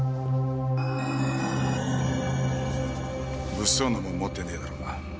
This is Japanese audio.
物騒なもん持ってねえだろうな？